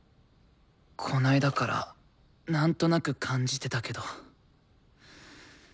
この間からなんとなく感じてたけど。